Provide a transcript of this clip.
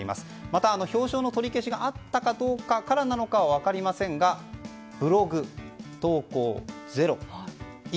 また、表彰の取り消しがあったからかどうかは分かりませんがブログ投稿ゼロ。